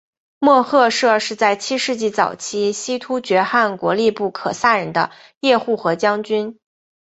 莫贺设是在七世纪早期西突厥汗国属部可萨人的叶护和将军。